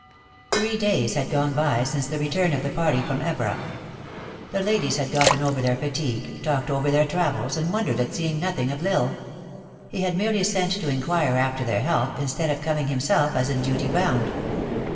THREE days had gone by since the return of the party trom Evora. The ladies had gotten over their fatigue, talked over their travels, and wondered at seeing nothing of L Isle. He had merely sent to in quire after their health, instead of coming himself, as in duty bound.